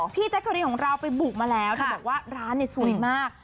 แจ๊กกะรีนของเราไปบุกมาแล้วเธอบอกว่าร้านเนี่ยสวยมาก